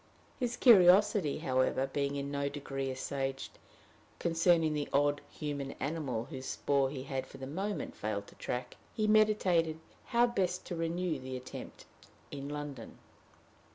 His curiosity, however, being in no degree assuaged concerning the odd human animal whose spoor he had for the moment failed to track, he meditated how best to renew the attempt in London.